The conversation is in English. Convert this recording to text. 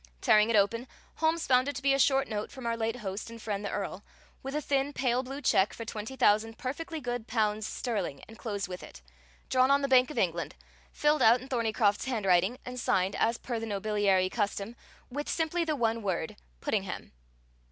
Tearing it open, Holmes found it to be a short note from our late host and friend the Earl, with a thin, pale blue check for twenty thousand perfectly good pounds sterling enclosed with it, drawn on the Bank of England, filled out in Thorneycroft's handwriting, and signed, as per the nobiliary custom, with simply the one word: "Puddingham."